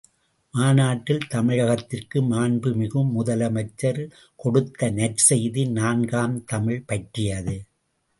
மாநாட்டில் தமிழகத்திற்கு மாண்புமிகு முதலமைச்சர் கொடுத்த நற்செய்தி நான்காம் தமிழ் பற்றியது.